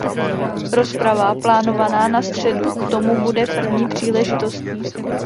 Rozprava plánovaná na středu k tomu bude první příležitostí.